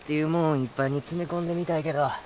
いっぱいに詰め込んでみたいけど